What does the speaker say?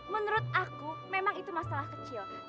menurut aku memang itu masalah kecil